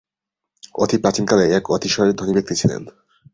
অতি প্রাচীনকালে এক অতিশয় ধনী ব্যক্তি ছিলেন।